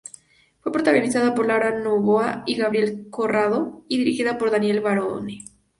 Fue protagonizada por Laura Novoa y Gabriel Corrado; y dirigida por Daniel Barone.